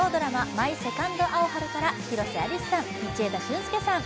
「マイ・セカンド・アオハル」から広瀬アリスさん、道枝駿佑さん。